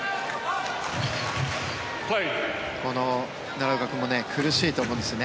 奈良岡君も苦しいと思うんですね。